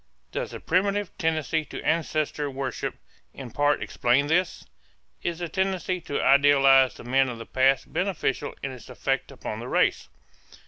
Does the primitive tendency to ancestor worship in part explain this? Is the tendency to idealize the men of the past beneficial in its effect upon the race?